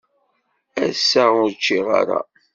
Ass-a, ur ččiɣ ara.